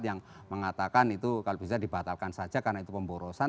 yang mengatakan itu kalau bisa dibatalkan saja karena itu pemborosan